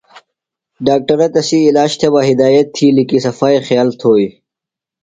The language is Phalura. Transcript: ڈاکٹرہ تسی عِلاج تھےۡ بہ ہدایت تِھیلیۡ کی صفائی خیال تھوئی۔